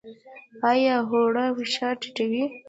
ایا هوږه فشار ټیټوي؟